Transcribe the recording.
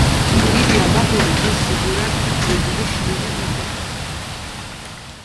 დიდი ალბათობით, ის სიგურდ ბეჭედის შვილი იყო.